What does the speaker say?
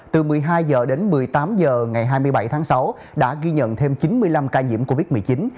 từ một mươi hai h đến một mươi tám h ngày hai mươi bảy tháng sáu đã ghi nhận thêm chín mươi năm ca nhiễm covid một mươi chín